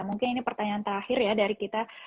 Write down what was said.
mungkin ini pertanyaan terakhir ya dari kita